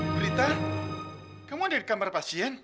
berita kamu ada di kamar pasien